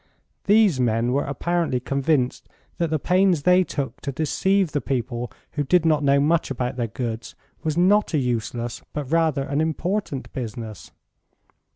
These men were apparently convinced that the pains they took to deceive the people who did not know much about their goods was not a useless but rather an important business.